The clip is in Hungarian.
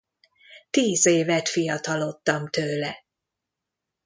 Tíz évet fiatalodtam tőle!